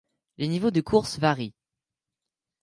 Les niveaux de course varient.